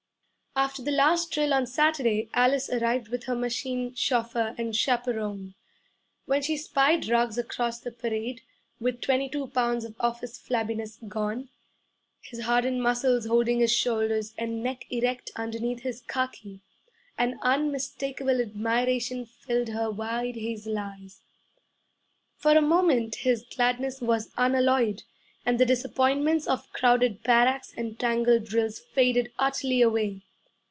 After the last drill on Saturday Alice arrived with her machine, chauffeur, and chaperone. When she spied Ruggs across the parade, with twenty two pounds of office flabbiness gone, his hardened muscles holding his shoulders and neck erect underneath his khaki, an unmistakable admiration filled her wide hazel eyes. For a moment his gladness was unalloyed, and the disappointments of crowded barracks and tangled drills faded utterly away.